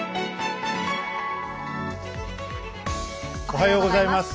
おはようございます。